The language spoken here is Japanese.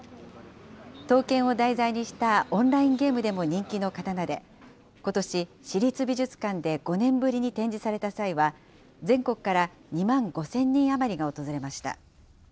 刀剣を題材にしたオンラインゲームでも人気の刀で、ことし、市立美術館で５年ぶりに展示された際は、全国から２万５０００人余りが訪れました。